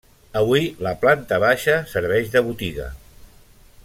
Avui la planta baixa serveix de botiga.